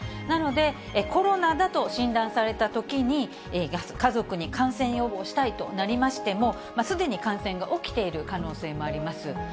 なので、コロナだと診断されたときに家族に感染予防したいとなりましても、すでに感染が起きている可能性もあります。